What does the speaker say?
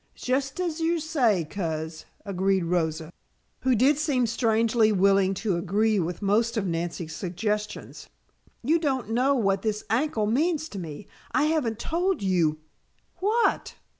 "Just as you say, Coz," agreed Rosa, who did seem strangely willing to agree with most of Nancy's suggestions. "You don't know what this ankle means to me. I haven't told you " "What?"